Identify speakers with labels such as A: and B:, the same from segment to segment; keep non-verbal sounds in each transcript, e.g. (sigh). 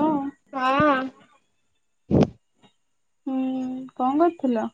A: ହଁ
B: ହଁ
A: ହୁଁ କଣ କରୁଥିଲ।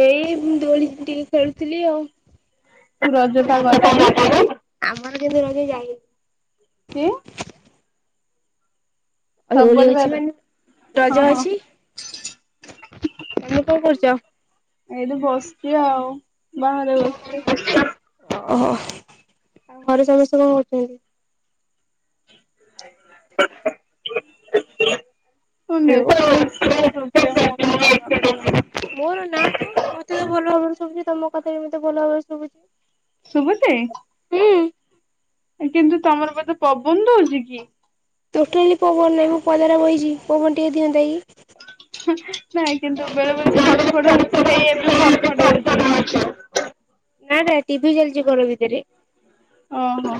B: ଏଇ ଦୋଳି ଟିକେ ଖେଳୁଥିଲି ଆଉ।
A: ରଜ ପା ଗଲାଣି।
B: ଆମର କିନ୍ତୁ ରଜ ଯାଇନି।
A: କି।
B: ଦୋଳି
A: ସବୁଆଡେ ବା
B: ଅଛି ମାନେ
A: ହଁ
B: ରଜ
A: ହଁ
B: ଅଛି ତମେ କଣ କରୁଛ।
A: ଏଇଠି ବସିଛି ଆଉ ବାହାରେ ବସିଛି।
B: ଓଃ ହୋ ଆଉ ଘରେ ସମସ୍ତେ କଣ କରୁଛନ୍ତି।
A: (unintelligible)
B: (unintelligible)
A: ମୋ
B: ହ୍ୟାଲୋ।
A: ନେଟୱର୍କ ଟିକେ ପ୍ରୋବ୍ଲେମ୍ ହଉଛି ନା କଣ।
B: ମୋର ନାଁ ତ ମତେ ତ ଭଲ ଭାବରେ ଶୁଭୁଛି ତମ କଥା ବି ମତେ ଭଲ ଭାବରେ ଶୁଭୁଛି।
A: ଶୁଭୁଛି।
B: ହୁଁ
A: କିନ୍ତୁ ତମର ବୋଧେ ପବନ ଦୋଉଛି କି?
B: ଟୋଟାଲି ପବନ ନାହିଁ ମୁଁ ପଦାରେ ବହିଚି ପବନ ଟିକେ ଦିଅନ୍ତା କି।
A: ନାଇଁ କିନ୍ତୁ ବେଳେ ବେଳେ ଫଡ ଫଡ ହଉଛି ହେଇ ଏବେ ଫଡ ଫଡ ହଉଛି।
B: ନା ନା ଟିଭିି ଚାଲିଛି ଘର ଭିତରେ।
A: ଓଃ ହୋ।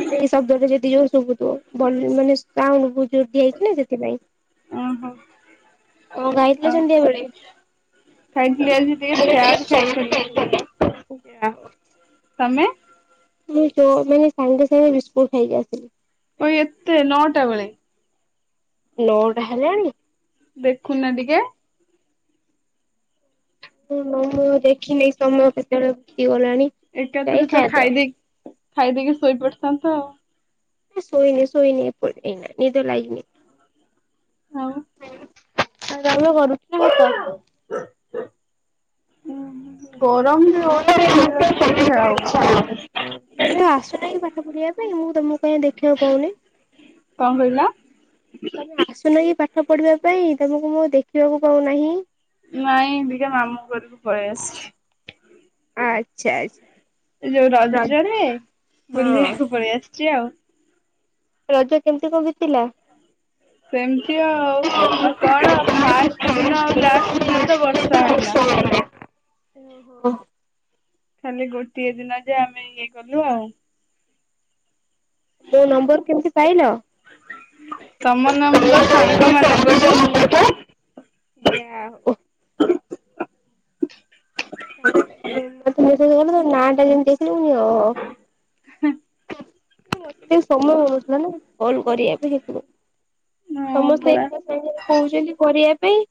B: ଏଇ ଶବ୍ଦଟା ଯେତିକି ଜୋରରେ ଶୁଭୁଥିବ ଭଲ ମାନେ। ସାଉଣ୍ଡ ବୋହୁତ ଜୋରରେ ଦିଆଯାଇଛି ନା ସେଥିପାଇଁ।
A: ଓଃ ହୋ।
B: କଣ ଖାଇଥିଲ ସନ୍ଧ୍ୟାବେଳେ।
A: ଖାଇଥିଲି ଆଜି ଟିକେ ଚାଟ୍ ଖାଇଥିଲି।
B: (unintelligible) (inaudible)
A: ତମେ।
B: ମୁଁ ଜୋ ମାନେ ସାଙ୍ଗେ ସାଙ୍ଗେ ବିସ୍କୁଟ ଖାଇକି ଆସିଲି।
A: କ ଏତେ ନଅଟା ବେଳେ?
B: ନଅ ଟା ହେଲାଣି।
A: ଦେଖୁନା ଟିକେ।
B: ହଁ ମୁଁ ଆଉ ଦେଖିନି ସମୟ କେତେବେଳେ ବିତି ଗଲାଣି।
A: ଏକାଥରେ ତ ଖାଇଦେଇକି ଖାଇଦେଇକି ଶୋଇପଡିଥାନ୍ତ ଆଉ।
B: ସୋଇନି ସୋଇନି ଏ ପ ଏଇନା ନିଦ ଲାଗନି।
A: ଆଉ।
B: ଆଉ ତମର କଣ ରୁଟି ନା ଭାତ।
A: ହୁଁ। ଗରମ ବି ହଉଛି ଶୋଇବାକୁ ଇଛା
B: ଏ
A: ହଉନି।
B: ଆସୁନା କି ପା ପାଠ ପଢିବା ପାଇଁ ମୁଁ ତମକୁ କାଇଁ ଦେଖିବାକୁ ପାଉନି।
A: କଣ କହିଲ?
B: ମୁଁ କହିଲି ଆସୁନ କି ପାଠ ପଢିବା ପାଇଁ ତମକୁ ମୁଁ ଆଉ ଦେଖିବାକୁ ପାଉନାହିଁ।
A: ନାଇଁ ଅବିକା ମାମୁଁ ଘରକୁ ପଳେଇ ଆସିଛି।
B: ଆଚ୍ଛା, ଆଚ୍ଛା।
A: ଏ ଯୋଉ
B: ରଜ
A: ରଜରେ
B: ହଁ
A: ବୁଲିବାକୁ ପଳେଇ ଆସିଛି ଆଉ।
B: ରଜ କେମିତି କଣ ବିତିଲା?
A: ସେମିତି ଆଉ,
B: ଓହୋ
A: ଆଉ କଣ ଫାଷ୍ଟ ଦିନ ଆଉ ଲାଷ୍ଟ ଦିନ ତ ବର୍ଷା ହେଲା। ଖାଲି ଗୋଟିଏ ଦିନ ଯା ଆମେ ଇଏ କଲୁ ଆଉ।
B: ମୋ ନମ୍ବର କେମିତି ପାଇଲ?
A: ତମ ନମ୍ବର ସାଙ୍ଗ ମାନଙ୍କଠୁ।
B: (inaudible) ନା ଟା ଯେମିତି ମୁଁ କହିଲି ଓ ହୋ। ମତେ ସମୟ ହେଉନଥିଲା ନା କଲ କରିବା ପାଇଁ ସେଥିପାଇଁ
A: ହଁ
B: ସମସ୍ତେ
A: ପରା
B: କହୁଛନ୍ତି କରିବା ପାଇଁ,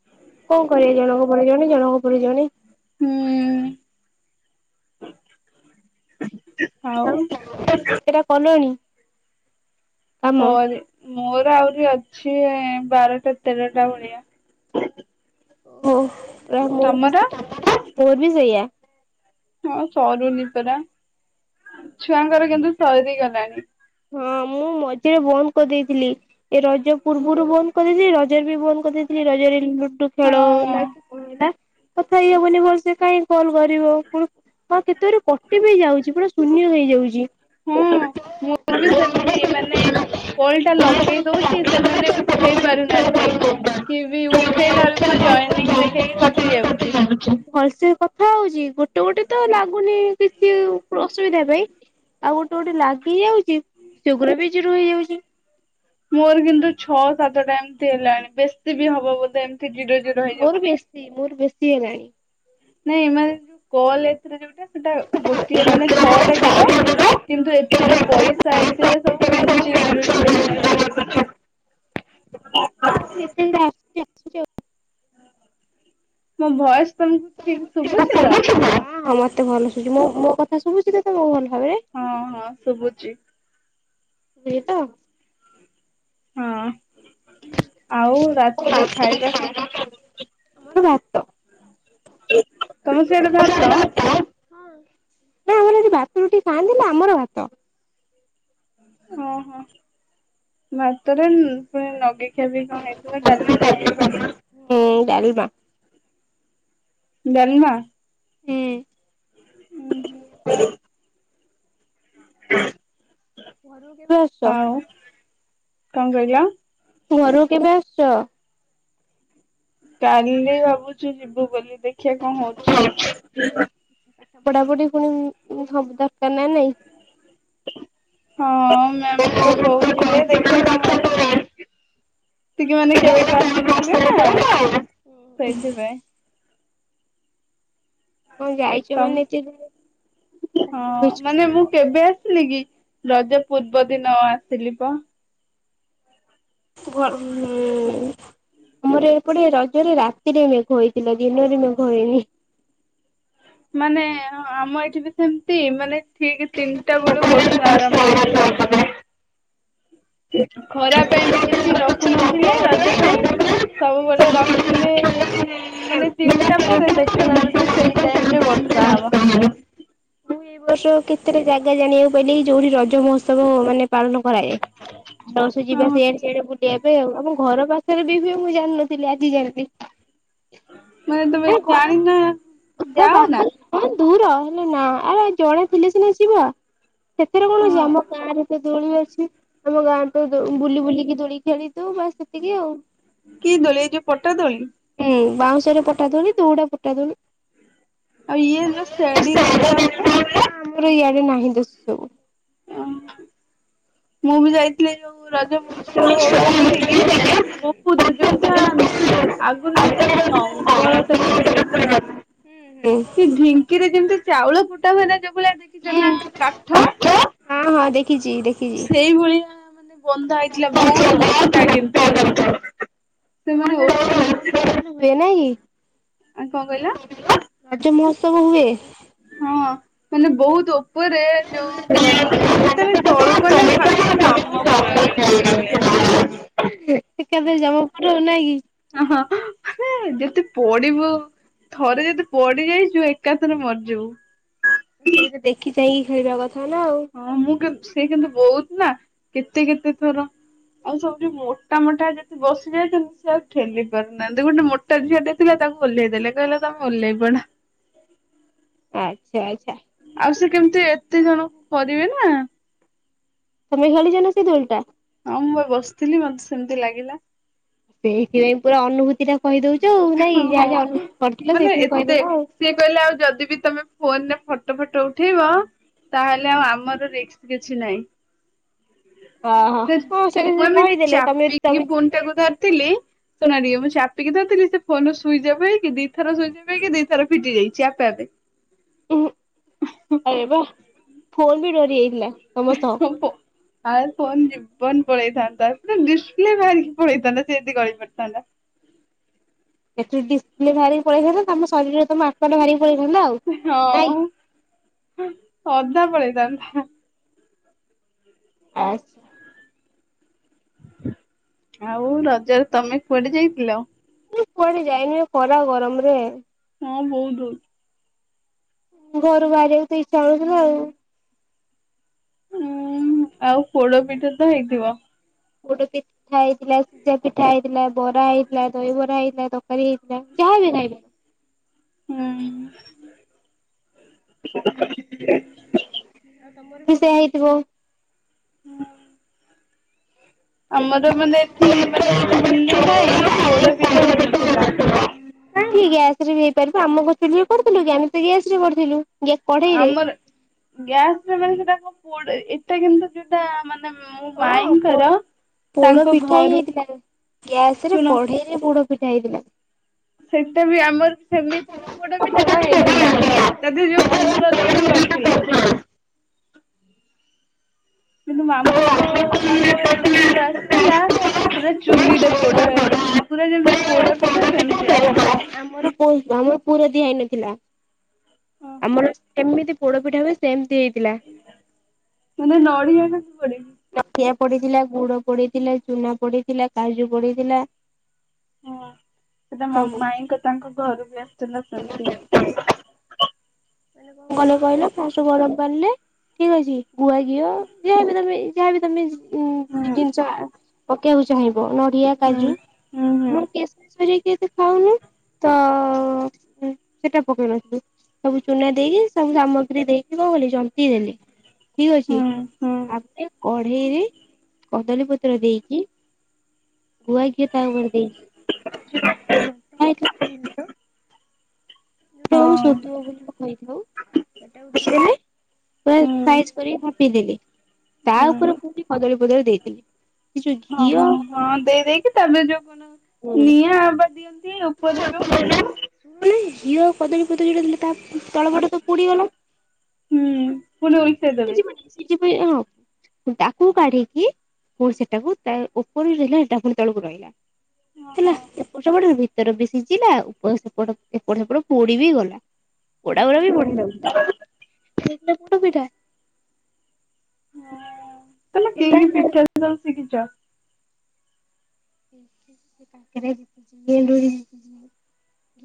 B: କଣ କରିବା ଜଣକ ପରେ ଜଣେ, ଜଣକ ପରେ ଜଣେ।
A: ହୁଁ।
B: ଆଉ (inaudible) କେତେଟା କଲୁଣି?
A: କ ମୋର ଆହୁରି ଅଛି ବାରଟା ତେରଟା ଭଳିଆ।
B: ହଉ (inaudible) ମୋର ବି ତମର ମୋର ବି ସେୟା।
A: ହଁ ସରୁନି ପରା ଛୁଆଙ୍କର କିନ୍ତୁ ସରିଗଲାଣି।
B: ହଁ ମୁଁ ମଝିରେ ବନ୍ଦ କରିଦେଇଥିଲି ଏ ରଜ ପୂର୍ବରୁ ବନ୍ଦ କରିଦେଇଥିଲି ରଜରେ ବି ବନ୍ଦ କ କରିଦେଇଥିଲି ରଜରେ ଲୁଡୁ ଖେଳ
A: ହଁ।
B: ହେଲା କି କଣ ହେଲା। କଥା ହେଇ ହବନି ଭଲସେ କାହିଁ କଲ କରିବ? ହଁ କେତେଉରେ କଟିବି ଯାଉଛି ପୁରା ଶୂନ୍ୟ ହେଇଯାଉଛି।
A: ହଁ ମୋର ବି ସେମତି ମାନେ କଲ ଟା ଲଗେଇ ଦଉଛି ସେମାନେ ଉଠେଇ ପାରୁନାହାନ୍ତି। କିଏ ବି ଉଠେଇଲା ବେଳକୁ ଜଏନିଙ୍ଗ ଦେଖେଇକି କଟି ଯାଉଛି।
B: ଭଲସେ ଭଲସେ କଥା ହଉଛି, ଗୋଟେ ଗୋଟେ ତ ଲାଗୁନି କିଛି ଅସୁୁବିଧା ପାଇଁ ଆଉ ଗୋଟେ ଗୋଟେ ଲାଗି ଯାଉଛି। ସେଗୁରା ବି ଜିରୋ ହେଇଯାଉଛି।
A: ମୋର କିନ୍ତୁ, ଛଅ ସାତଟା ଏମିତି ହେଲାଣି ବେଶୀ ବି ହବ ବୋଧେ, ଏମିତି ଜିରୋ ଜି
B: ମୋର ବେଶୀ ମୋର ବେଶୀ ହେଲାଣି।
A: ନାଇଁ ଏ ମାନ ଯୋଉ କଲ ଏଥିରେ ଯୋଉଟା ସେଟା ଗୋଟିଏ ମାନେ ଛଅଟା ଜିରୋ। କିନ୍ତୁ ଏଥିରେ ପଇସା ଏଥିରେ ସବୁ ମେଞ୍ଚେ ଜିରୋ ଜିରୋ ଲେଖୁଛି।
B: (unintelligible) ଦି ତିନିଟା ଆ ଆସୁଛି ଆଉ।
A: ମୋ ଭଏସ ତମକୁ ଠିକ ଶୁଭୁଛି ତ?
B: ହଁ ହଁ ମତେ ଭଲ ଶୁଭୁଛି ମୁଁ ମୋ ମୋ କଥା ଶୁଭୁଛି ତମକୁ ଭଲ ଭାବରେ?
A: ହଁ ହଁ ଶୁଭୁଛି।
B: ବି ତ
A: ହଁ ଆଉ ରାତିରେ ଖାଇବା କଣ?
B: ଆମର ଭାତ।
A: ତମ ସିଆଡେ ଭାତ।
B: ନା ଆମର ଏମିତି ଭାତ ରୁଟି ଖାଆନ୍ତି ନା ଆମର ଭାତ।
A: ଓହୋ ଭାତଟା ରୁଟି ନଗେଇ ଖାଇ ପି କଣ ହେଇଥିବ ଡାଲି ପାଲି।
B: ହୁଁ ଡାଲମା।
A: ଡାଲମା।
B: ହୁଁ। ଘରକୁ କେବେ ଆ
A: ଆଉ କଣ କହିଲ?
B: ଘରକୁ କେବେ ଆସୁଛ?
A: କାଲି ଭାବୁଛୁ ଯିବୁ ବୋଲି ଦେଖିବା କଣ ହଉଛି?
B: ପାଠ ପଢାପଢି ପୁଣି ସବୁ ଦରକାର ନା ନାଇଁ।
A: ହଁ ମ୍ୟାମ ତ କହୁଥିଲେ ଦେଖିବା କଣ ହଉ ସେତିକି ମାନେ କେବେଠୁ ଆସିନଥିଲେ ନା ସେଇଥିପାଇଁ।
B: ହଁ ଯାଇଛ
A: ତମ
B: ମାନେ ଏତେ ଦିନି
A: ହଁ ମାନେ ମୁଁ କେବେ ଆସିଲି କି ରଜ ପୂର୍ବ ଦିନ ଆସିଲି ପା।
B: ଘର ହୁଁ। ଆମର ଏପଟେ ରଜରେ ରାତିରେ ମେଘ ହୋଇଥିଲା ଦିନରେ ମେଘ ହେଇନି।
A: ମାନେ ଆମ ଏଠି ବି ସେମତି ମାନେ ଠିକ ତିନିଟା ବେଳୁ
B: ମୁଁ
A: ବର୍ଷା ଆରମ୍ଭ ହେଇଯିବ। ଖରା ପାଇଁ ବି କିଛି ରଖୁନଥିଲେ ରଜ ପାଇଁ ସବୁବେଳେ ର ଖିବେ ମାନେ ତିନିଟା ପରେ ଦେଖିଲା ବେଳକୁ ସେଇ ଟାଇମ ରେ ବର୍ଷା ହବ।
B: ସେଇ ବର୍ଷ କେତେଟା ଜାଗା ଜାଣିବାକୁ ପାଇଲି ଯୋଉଠି ରଜ ମହୋତ୍ସବ ମାନେ ପାଳନ କରାଯାଏ ସମସ୍ତେ ଯିବା
A: ହଁ
B: ସେଆଡେ ସେଇଟା ବୁଲିବା ପାଇଁ ଆଉ ଆମ ଘର ପାଖରେ ବି ହୁଏ ମୁଁ ଜାଣିନଥିଲି ଆଜି ଜାଣିଲି।
A: ମୁଁ କହିନି ତମେ
B: ନା
A: ଜାଣିନା ଯାଅ ନା।
B: ହଁ ଦୂର ହେଲେ ନା ଆ ଜଣେ ଥିଲେ ସିନା ଯିବା। ସେଥିରେ କଣ ଉଛି
A: ହଁ
B: ଆମ ଗାଁରେ ତ ଦୋଳି ଅଛି। ଆମ ଗାଁ ତ ଦୋଳି ବୁଲି ବୁଲିକି ଦୋଳି ଖେଳିଦୋଉ ବାସ।
A: କି ଦୋଳି ଏ ଯୋଉ ପଟା ଦୋଳି।
B: ହୁଁ ବାଉଁଶରେ ପଟା ଦୋଳି ଦଉଡା ପଟା ଦୋଳି।
A: ଆଉ ଇଏ ଯଉ ଶେଡିରେ ଯଉଟା ହୁଏ।
B: ଆମର ଇଆଡେ ନାହିଁ ତ ସେ ସବୁ।
A: ଓହ ମୁଁ ବି ଯାଇଥିଲି ଯୋଉ ରଜ ମହୋତ୍ସବ
B: ହୁଁ
A: ହଉଛି ଯୋଉଠିକି। ବହୁତ ଯୋଉଟା ଆଗରୁ ଯୋଉଥରେ ନଙ୍ଗଳ ଟାଇପର ବୋଧେ।
B: ହୁଁ ହୁଁ।
A: ଢିଙ୍କିରେ ଯେମିତି ଚାଉଳ କୁଟା ହୁଏ ନା ଯୋଉ ଭଳିଆ ଦେ
B: ହୁଁ ହଁ ହଁ ଦେଖିଛି ଦେଖ
A: ସେଇ ଭଳିଆ ମାନେ ବନ୍ଧା ହେଇଥିଲା ବହୁତ ମୋଟା କିନ୍ତୁ। ସେମାନେ
B: ତମର ସିଆଡେ
A: ଓପରୁ।
B: ରଜ ମହୋତ୍ସବ ହୁଏ ନାଇ,
A: କହିଲ
B: ରଜ ମହୋତ୍ସବ ହୁଏ।
A: ହଁ ମାନେ ବହୁତ ଉପରେ ଯୋଉ ଗଲା ମାନେ ଯେତେବେଳେ ତଳୁକୁ ଅନେଇବୁ ଭାବିବୁ ଜମପୁରରେ ଥିଲା ଭଳିଆ।
B: ଏକାଥରେ ଦେଖିକି ଆସିଛ ଜମପୁର ଆଉ ନାଇଁ କି।
A: ଓହୋ। ସେ ଯଦି ପଡିବୁ ଥରେ ଯଦି ପଡି ଯାଇଛିବୁ ଏକାଥରେ ମରିଯିବୁ।
B: ଟିକେ ଦେଖି ଚାହିଁକି ଖେଳିବା କଥା ନା ଆଉ।
A: ହଁ ମୁଁ କିନ୍ତୁ ସେ କିନ୍ତୁ ବହୁତ ନା କେତେ କେତେ ଥର। ଆଉ ସବୁଠି ମୋଟା ମୋଟା ଯା। ବସଯାଉଛନ୍ତି ସେ ଆଉ ଠେଲି ପାରୁନାହାନ୍ତି ଗୋଟେ ମୋଟା ଝିଅରେ ଥିଲା ତାକୁ ଓହ୍ଲେଇ ଦେଲେ କହିଲେ ତମେ ଓହ୍ଲେଇ ପଡ।
B: ଆଚ୍ଛା ଆଚ୍ଛା।
A: ଆଉ ସେ କେମିତି ଏତେ ଜଣ କରିବେ ନା।
B: ତମେ ଖେଳିଚ ନା ସେଇ ଦୋଳି ଟା।
A: ହଁ ମୁଁ ପା ବସିଥିଲି ମତେ ସେମିତି ଲାଗିଲା।
B: ସେଇଥିପାଇଁ ପୁରା ଅନୁଭୂତି ଟା କହିଦଉଛ ଆଉ ନାଇଁ ଯାହା ଯାହା
A: ହଁ।
B: ଅନୁଭବ କରିଥିଲ
A: ମାନେ
B: ସେଇଥିପାଇଁ
A: ଏତେ
B: କହିଦେଲ ଆଉ।
A: ସିଏ କହିଲେ ଆଉ ଯଦି ବି ତମେ ଫୋନରେ ଫଟୋ ଫଟୋ ଉଠେଇବ। ତାହେଲେ ଆଉ ଆମର ରିକ୍କ କିଛି ନାହିଁ।
B: ଓହୋ ହଁ ସେ
A: ମୁଁ ଏମତି
B: କହିଦେଲେ ତମେ
A: ଚାପିକି
B: ତମେ
A: ଫୋନ୍ ଟା କୁ ଧରି। ଥିଲି ଶୁଣଟିକେ ମୁଁ ଚାପ। କି ଧରିଥିଲ ସେ ଫୋନ ରୁ ସୁଇଚ୍ ଅଫ ହେଇକି ଦି ଥର ସୁଇଚ୍ଅଫ ହେଇିକି ଦି ଥର ଫିଟି ଯାଇଛି ଆପେ ଆପେ।
B: ଉହୁଁ ଆରେ ବା ଫୋନ ବି ଡରି ଯାଇଥିଲା ତମସହ।
A: ମୋ ଫୋ- ଆଉ ଫୋନ ଯିବି ଜୀବନ ପଳେଇଥାନ୍ତା ପୁରା ଡିସପ୍ଲେ ବାହାରିକି ପଳେଇଥାନ୍ତା ସେ ଯଦି ଗଳି ପଡିଥାନ୍ତା।
B: ଏଥି ଡିପ୍ଲେ ବାହାରିକି ପଳେଇଥାନ୍ତା ତମ ଶରୀରେମ ଆତ୍ମା ଟା ବାହାରି ପଳେଇଥାନ୍ତା ଆଉ। ନାଇଁ।
A: ହଁ ଅଧା ପଳେଇଥାନ୍ତା।
B: ଆଛ।
A: ଆଉ ରଜରେ ତମେ କୁଆଡେ ଯାଇଥିଲ।
B: ମୁଁ କୁଆଡେ ଯାଇନି ଖରା ଗରମରେ।
A: ହଁ ବୋଉଲୋ।
B: ଘରୁ ବାହାରିବାକୁ ତ ଇଛା ହୋଉନଥିଲା ଆଉ।
A: ହୁଁ ଆଉ ପୋଡ ପିଠା ତ ହେଇଥିବ।
B: ପୋଡପି ପିଠା ହେଇଥିଲା ସିଜା ପିଠା ହେଇଥିଲା ବରା ହେଇଥିଲା ଦହିବରା ହେଇଥିଲା ତରକାରୀ ହେଇଥିଲା ଯାହାବି ଖାଇବେ।
A: ହୁଁ।
B: (inaudible) ସେୟା ହେଇଥିବ।
A: ହୁଁ। ଆମର ମାନେ ଏଠି ମାନେ ଚୁଲି ନାହିଁ ପୋଡ ପିଠା ହେଇନଥିଲା।
B: ନାଇଁ ଗ୍ୟାସ ରେ ବି ହେଇପାରିବ ଆମ କଣଚୁଲିରେ କରିଥିଲୁ କି ଆମେ ତ ଗ୍ୟାସ ରେ କରିଥିଲୁ। କଢେଇରେ
A: ଆମର ଗ୍ୟାସରେ ମାନେ ସେଟା କୁ ପୋଡେ ଏଟା କିନ୍ତୁ ଯୋଟା ମାନେ ମୋ
B: ହଁ
A: ମାଇଁଙ୍କର
B: ପୋଡ
A: ତାଙ୍କ
B: ପିଠା ହି
A: ଘରୁ
B: ହେଇଥିଲା ନା ଗ୍ୟାସ ରେ
A: ଶୁଣ
B: ପଢେ। ପୋଡ଼ପିଠା ହେଇଥିଲା।
A: ସେଟା ବି ଆମର ସେମିତି ଯୋ ପୋଡପିଟାଟା ହେଇଥିଲା। ତାଦେଅରେ ଯୋଉ ପୁର ଦେଇକି କରିଥିଲେ। କିନ୍ତୁ ମାମୁଁଙ୍କ ତାଙ୍କ ଘରୁ ଯେବେ ଆସେ ଆସିଲା ପୁରା ଚୁଲିରେ ପୋଡ ହେଉ ପୁରା ଯେମିତି ପୋଡ ପିଠା ସେମତିଆ।
B: ମୋର ଆମର ଆମର ପୁର ଦିଆ ହେଇନଥିଲା ଆମର ସେମିତି ପୋଡ ପିଠା ହୁଏ ସେମିତି ହେଇଥିଲା।
A: ମାନେ ନଡିଆ ନା କୁଡେ।
B: ନଖିଆ ପଡିଥିଲା ଗୁଡ ପଡିଥିଲା ଚୁନା ପଡିଥିଲା କାଜୁ ପଡିଥିଲା।
A: ହୁଁ ସେଟା
B: ସବୁ। ମାନେ
A: ମାଇଁଙ୍କ ତାଙ୍କ ଘରୁ ବି ଆସିଥିଲା ସେମିତି।
B: (unintelligible) ଠିକ୍ ଅଛି ଗୁଆ ଘିଅ ଯାହାବି ତମେ ଯାହାବି ତମେ ଉ
A: ହୁଁ
B: ଜିନିଷ ପକେଇବାକୁ ଚାହିଁବ ନଡ଼ିଆ
A: ହୁଁ
B: କାଜୁ
A: ହୁଁ ହୁଁ।
B: ଆଉ କେଶେରି କେତେ ଖାଉନୁ। ତଅ ସେଟା ପକେଇ ନଥିଲୁ। ସବୁ ଚୁନା ଦେଇକି ସବୁ ସାମଗ୍ରୀ ଦେଇଥିବ ବୋଲି ଯନନ୍ତି ଦେଲେ। ଠିକ୍ ଅଛି
A: ହୁଁ ହୁଁ
B: ଆପେ କଢେଇରେ କଦଲୀ ପତ୍ର ଦେଇକି ଗୁଆ ଘିଏ ତା ଉପରେ ଦେଇକି (unintelligible)
A: ହଁ
B: (unintelligible) ପି ଦେଲି ତା
A: ହୁଁ
B: ଉପରେ ପୁଣି
A: ହୁଁ
B: କଦଳୀପତ୍ର ଦେଇଦେଲି। ସେ ଯୋଉ
A: ହଁ
B: ଘିଅ
A: ହଁ
B: ଆଉ
A: ହଁ
B: କଦଳୀ
A: ଦେଇ
B: ପତ୍ର
A: ଦେଇକି ତାପରେ ଯୋଉ କଣ
B: ଘିଅ
A: ନିଆଁ ଆବା ଦିଅନ୍ତି ଓପରେ ଯୋଉ
B: ମାନେ ଘିଅ କଦଳୀପତ୍ର ଦେଲେ ତା ତଳ ପଟ ତ ପୁଡିଗଲା।
A: ହୁଁ ପୁଣି ଉଲଟେଇ ଦେବେ
B: (unintelligible) ତାକୁ କାଢିକି ପୁଣି ସେଟାକୁ ତା ଉପରେ ରହିଲା ହେଟା ପୁଣି ତଳକୁ ରହିଲା।
A: ଓହୋ
B: ହେଲା ଏ ପଟ (unintelligible) ଉିତର ବି ସିଜିଲା ଉ ଏପଟ ସେପଟ ଏପଟ ସେପଟ ପୋଡି ବି ଗଲା। ପୋଡା ଗୁଡ଼ା ବି ବଢ଼ିଆ ଲାଗୁଚି। (unintelligible)
A: ତମେ କି
B: ହେଲା
A: କି
B: ନା
A: ପିଠା ସବୁ ଶିକିଚ।
B: (unintelligible) ଏଣ୍ଡୁରୀ।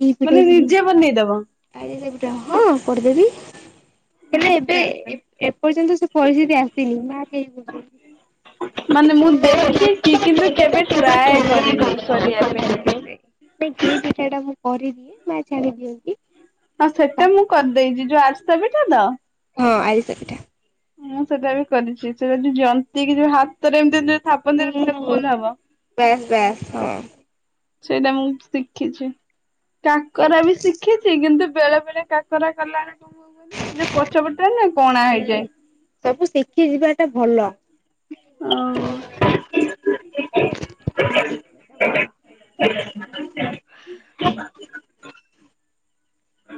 B: ଘି ପିଠା
A: ମାନେ ନିଜେ ବନେଇଦବ?
B: ଶିକିଚି ଆରିଷା ପିଠା ହଁ କରିଦେବି। ହେଲେ
A: ମତେ
B: ଏବେ
A: ଆସେନି
B: ଏପର୍ଯ୍ୟନ୍ତ ସେ ପରିସ୍ଥିତି ଆସିନି ମା କେହି
A: ମାନେ ମୁଁ ଦେଖିକି କିନ୍ତୁ କେବେ ଟ୍ରାଏ କରିନି କରିବା ପାଇଁ।
B: ନାଇଁ ଘି ପିଠାଟା ମୁଁ କରିଦିଏ ମା ଛାଣି ଦିଅନ୍ତି।
A: ଆଉ ସେଟା ମୁଁ କରିଦେଇଚି। ଯୋଉ ଆରିସା ପିଠା ତ?
B: ହଁ ଆରିସା ପିଠା।
A: ମୁଁ ସେଟା ବି କରିଚି। ତୁ ଜନ୍ତି କି ଯୋଉ ହାତରେ ଏମିତି ଏମିତି ଥାପନ୍ତି ପୁରା ଗୋଲ୍ ହବ।
B: ବାସ୍ ବାସ୍ ହଁ।
A: ସେଇଟା ମୁଁ ଶିଖିଛି। କାକରା ବି ଶି ଖିଚି। କିନ୍ତୁ ବେଳେ ବେଳେ କାକରା କଲା ବେଳେ କଣ ହୁଏ କୁହନି? ଯୋଉ ପଛ ପଟଟା ନୁହେଁ କଣା
B: ହୁଁ
A: ହେଇଯାଏ।
B: ସବୁ ଶିଖି ଯିବା ଟା ଭଲ। (inaudible)
A: ହଁ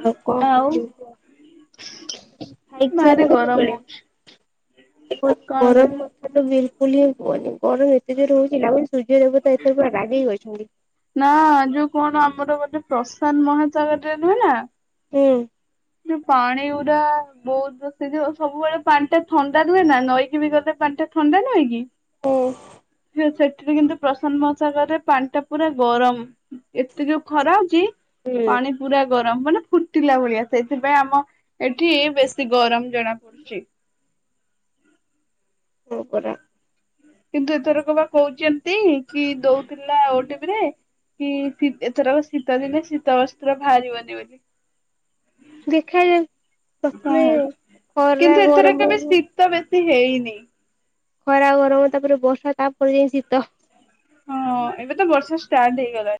B: ଆଉ କଣ
A: ଆଉ
B: କହୁଚୁ କୁହ? (unintelligible)
A: ଭାରି ଗରମ
B: କେତେବେଳେ?
A: ହଉଛି
B: ଏ ଯୋଉ
A: କଣ
B: ଗରମ
A: କହିଲୁ
B: କଥା ତ ବିଲକୁଲ ହିଁ କୁହନି। ଗରମ ଏତେ ଜୋରେ ହୋଉଚି ଲାଗୁଚି ସୂର୍ଯ୍ୟ ମୁଁ ତ ଏତୋବେଳେ ପୁରା ରାଗିକି ଅଛନ୍ତି।
A: ନା ଯୋଉ କଣ ଆମର ଗୋଟେ ପ୍ରଶାନ୍ତ ମହାସାଗରରେ ନୁହେଁ ନା
B: ହୁଁ।
A: ଯୋଉ ପାଣି ଉରା ବୋହୁତ ବସିଥିବ ସବୁବେଳେ ପାଣି ଟା ଥଣ୍ଡା ରୁହେ ନା ନଈକି ବି ଗଲେ ପାଣିଟା ଥଣ୍ଡା ନୁହେଁ କି?
B: ହୁଁ।
A: ସିଏ ସେଠିରେ କିନ୍ତୁ ପ୍ରଶାନ୍ତ ମହାସାଗର ରେ ପାଣି ଟା ପୁରା ଗରମ। ଏତେ ଯୋଉ ଖରା ହୋଉଚି ପାଣି ପୁରା ଗରମ ମାନେ ଫୁଟିଲା ଭଳିଆ। ସେଇଥିପାଇଁ ଆମ ଏଠି ବେଶୀ ଗରମ ଜଣା ପଡୁଚି।
B: ହଁ ପରା।
A: କିନ୍ତୁ ଏଥରକ ପା କୋହୁଚନ୍ତି କି ଦୋଉଥିଲା ଓଟିଭିିରେ କି ଶୀତ୍ ଏଥର ଶୀତଦିନେ ଶୀତ ବସ୍ତ୍ର ଭାହାରିବନି ବୋଲି।
B: ଦେଖାଯାଉ
A: କଣ
B: ପ୍ରଥମେ ଖରା ଗରମ ହୋଉଚି
A: ତ ବେଶୀ ହେଇନି।
B: ଖରା, ଗରମ, ତାପରେ ବର୍ଷା, ତାପରେ ଯାଇ ଶୀତ।
A: ହଁ ଏବେ ତ ବର୍ଷା ଷ୍ଟାର୍ଟ ହେଇଗଲାଣି।